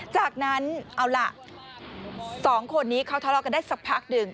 จากนั้นเอาล่ะสองคนนี้เขาทะเลาะกันได้สักพักหนึ่ง